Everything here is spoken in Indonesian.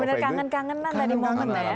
benar benar kangen kangenan tadi momennya ya